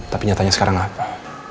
tapi nyatanya sekarang apa